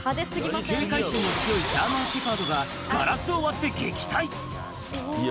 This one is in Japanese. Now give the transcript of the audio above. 警戒心の強いジャーマンシェパードが、ガラスを割って撃退。